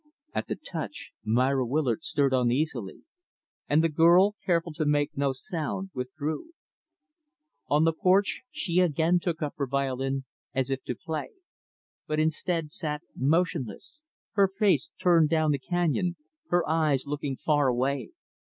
At the touch, Myra Willard stirred uneasily; and the girl careful to make no sound withdrew. On the porch, she again took up her violin as if to play; but, instead, sat motionless her face turned down the canyon her eyes looking far away.